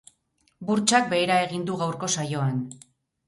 Burtsak behera egin du gaurko saioan.